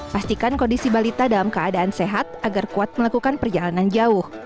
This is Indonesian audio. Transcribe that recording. pastikan kondisi balita dalam keadaan sehat agar kuat melakukan perjalanan jauh